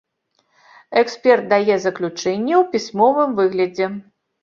Эксперт дае заключэнне ў пісьмовым выглядзе.